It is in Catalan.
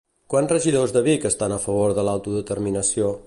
Quants regidors de Vic estan a favor de l'autodeterminació?